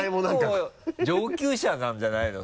結構上級者なんじゃないの？